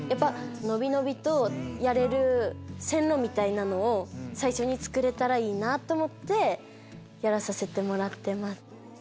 伸び伸びとやれる線路みたいなのを最初に作れたらいいなと思ってやらさせてもらってます。